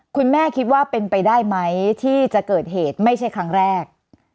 คุณแม่คิดว่าเป็นไปได้ไหมที่จะเกิดเหตุไม่ใช่ครั้งแรก